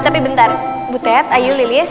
tapi bentar butet ayo lilis